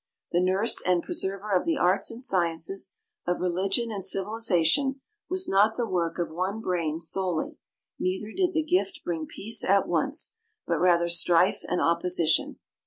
The nurse and preserver of the arts and sciences, of religion and civilization, was not the work of one brain solely, neither did the gift bring peace at once, but rather strife and opposition.